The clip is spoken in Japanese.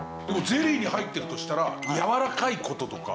ゼリーに入ってるとしたらやわらかい事とか。